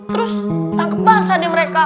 terus tangkap bahasa di mereka